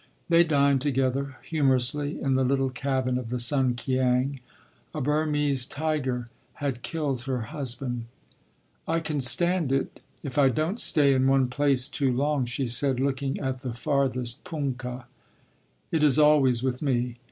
They dined together humorously in the little cabin of the Sunkiang.... A Burmese tiger had killed her husband. "I can stand it—if I don’t stay in one place too long," she said, looking at the farthest punkah. "It is always with me.